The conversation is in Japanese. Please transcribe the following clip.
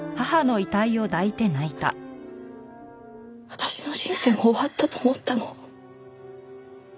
私の人生も終わったと思ったの。